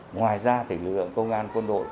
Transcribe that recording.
ngoài ra lực lượng công an quân đội